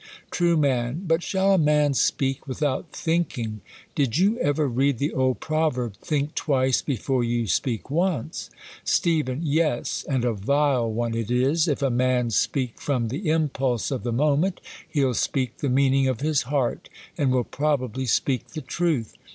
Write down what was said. Tru» But shall a man speak without thinking '/ Did you ever read the old proverb, Think tv/ice, before you speak once ?'' Supk, Ves, and a vile one it is. If a man speak from the impulse of the moment, he'll speak the mean ing of his heart ; ar.d will probably speak the truth.